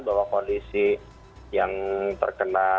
bahwa kondisi yang terkenal